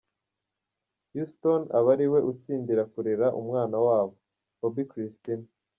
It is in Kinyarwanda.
Houston aba ariwe utsindira kurera umwana wabo, Bobbi Kristina.